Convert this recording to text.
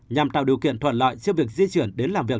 nhằm tạo điều kiện thuận loại trước việc di chuyển đến làm việc